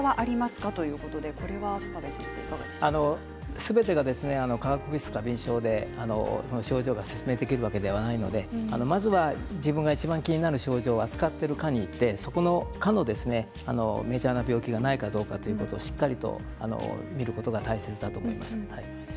すべてが化学物質過敏症で症状が説明できるわけではないので、まずは自分がいちばん気になる症状を扱っている科に行ってその科のメジャーな病気がないかどうかということをしっかりと見ることが大切だと思います。